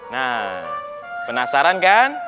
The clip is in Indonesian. nah penasaran kan